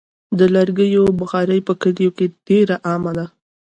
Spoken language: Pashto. د لرګیو بخاري په کلیو کې ډېره عامه ده.